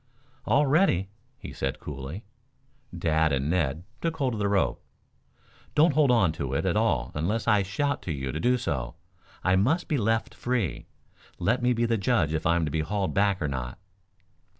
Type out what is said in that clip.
"All ready," he said coolly. Dad and Ned took hold of the rope. "Don't hold on to it at all unless I shout to you to do so. I must be left free. Let me be the judge if I am to be hauled back or not."